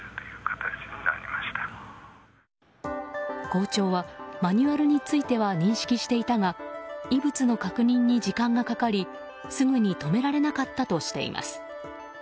校長はマニュアルについては認識していたが異物の確認に時間がかかりすぐに止められなかったとしています。